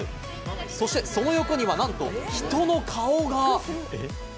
そして、その横にはなんと人の顔が！